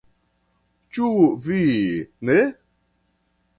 Ĉu vi ne?